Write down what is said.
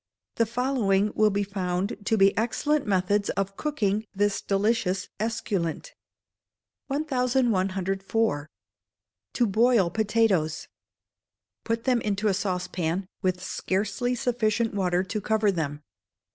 The following will be found to be excellent methods of cooking this delicious esculent. 1104. To Boil Potatoes. Put them into a saucepan with scarcely sufficient water to cover them.